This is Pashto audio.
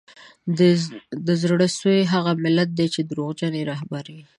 د زړه سوي هغه ملت دی چي دروغجن یې رهبران وي